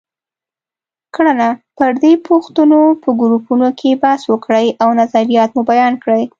کړنه: پر دې پوښتنو په ګروپونو کې بحث وکړئ او نظریات مو بیان کړئ.